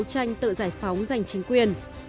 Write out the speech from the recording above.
tranh tự giải phóng giành chính quyền